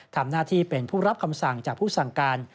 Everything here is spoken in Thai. ทำหน้าที่เป็นผู้รับคำสั่งจากผู้สั่งการ